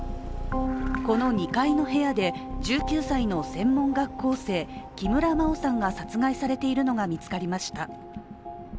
この２階の部屋で１９歳の専門学校生、木村真緒さんが殺害されているのが見つかりました。